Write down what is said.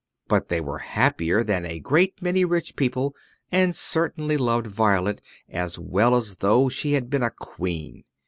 But they were happier than a great many rich people, and certainly loved Violet as well as though she had been a queen.